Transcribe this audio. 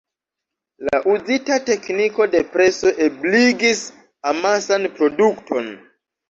La uzita tekniko de preso ebligis amasan produkton.